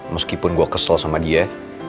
meskipun gue kesel sama dia